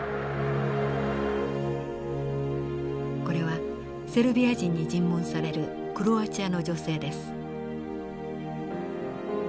これはセルビア人に尋問されるクロアチアの女性です。